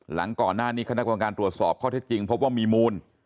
หลังก่อนหน้านี้คณะกรรมการตรวจสอบข้อเท็จจริงพบว่ามีมูล